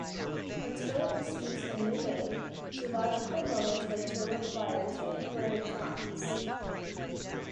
Until it receives a new name, zoological nomenclature requires the inverted commas.